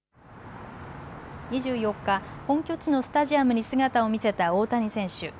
２４日、本拠地のスタジアムに姿を見せた大谷選手。